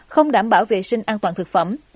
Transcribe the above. không đảm bảo vệ sinh an toàn thực phẩm